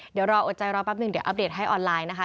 เดี๋ยวรออดใจรอแป๊บหนึ่งเดี๋ยวอัปเดตให้ออนไลน์นะคะ